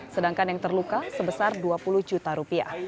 sedangkan yang terluka sebesar dua puluh juta rupiah